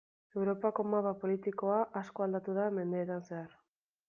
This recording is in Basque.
Europako mapa politikoa asko aldatu da mendeetan zehar.